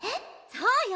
そうよ